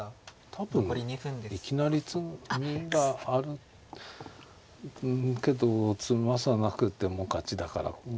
多分いきなり詰みがあるけど詰まさなくても勝ちだからいや困っちゃったなと。